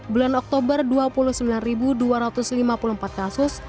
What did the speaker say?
bulan oktober dua puluh sembilan dua ratus lima puluh empat kasus